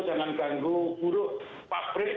jangan ganggu buruk pabrik